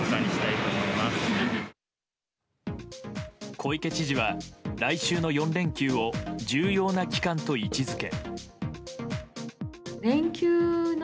小池知事は来週の４連休を重要な期間と位置づけ。